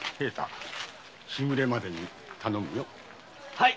はい。